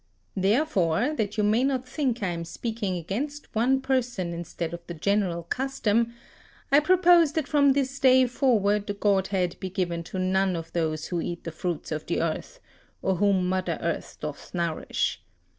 Therefore, that you may not think I am speaking against one person instead of the general custom, I propose that from this day forward the godhead be given to none of those who eat the fruits of the earth, or whom mother earth doth nourish.